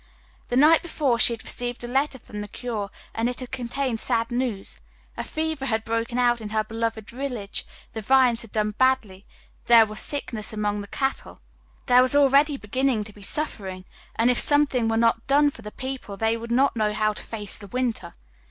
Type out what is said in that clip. The night before she had received a letter from the curé and it had contained sad news. A fever had broken out in her beloved village, the vines had done badly, there was sickness among the cattle, there was already beginning to be suffering, and if something were not done for the people they would not know how to face the winter.